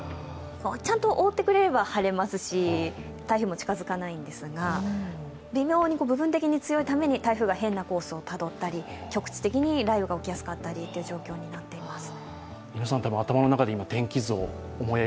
ちゃんと覆ってくれれば晴れますし、台風も近づかないんですが、微妙に部分的に強いために台風が変なコースをたどったり局地的に雷雨が起きやすくなったりという状況になっています。